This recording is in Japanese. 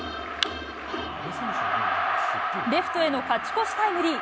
レフトへの勝ち越しタイムリー。